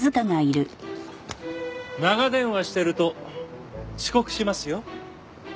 長電話してると遅刻しますよ。